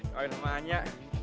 kau yang namanya